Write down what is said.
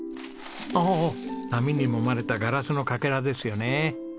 ああ波にもまれたガラスのかけらですよね。